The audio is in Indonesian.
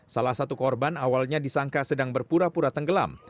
salah satu korban awalnya disangka sedang berpura pura tenggelam